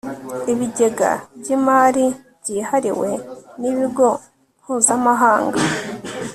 ibigega by imari byihariwe n'ibigo mpuzamahanga